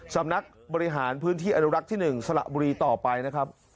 สำนักบริหารพื้นที่อนุรักษ์ที่๑สระบุรีต่อไปนะครับ